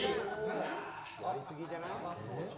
盛り過ぎじゃない。